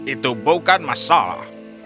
itu bukan masalah